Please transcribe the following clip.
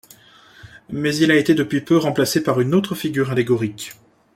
Mais il a été depuis peu remplacé par une autre figure allégorique.